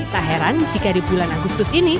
tak heran jika di bulan agustus ini